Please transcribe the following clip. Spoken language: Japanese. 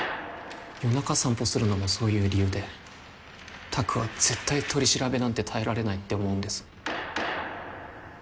夜中散歩するのもそういう理由で拓は絶対取り調べなんて耐えられないって思うんです